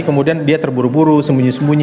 kemudian dia terburu buru sembunyi sembunyi